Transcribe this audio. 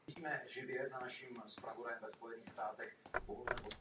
Stavba je v soukromém vlastnictví a není využívána.